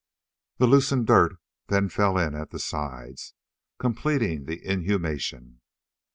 The loosened dirt then fell in at the sides, completing the inhumation.